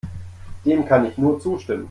Dem kann ich nur zustimmen.